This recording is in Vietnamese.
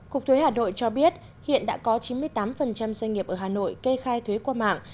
cục thuế hà nội cho biết hiện đã có chín mươi tám doanh nghiệp ở hà nội kê khai thuế qua mạng